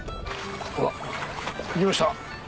ほらいきました。